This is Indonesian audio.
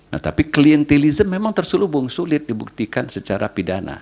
nah tapi klientilism memang terselubung sulit dibuktikan secara pidana